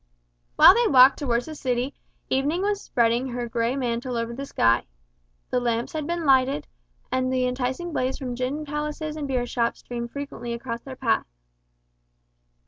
While they walked towards the City, evening was spreading her grey mantle over the sky. The lamps had been lighted, and the enticing blaze from gin palaces and beer shops streamed frequently across their path.